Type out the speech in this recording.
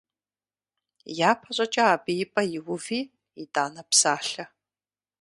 Япэщӏыкӏэ абы и пӏэ иуви итӏанэ псалъэ.